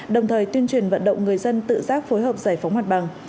đồng thời tuyên truyền vận động người dân tự giác phối hợp giải phóng mặt bằng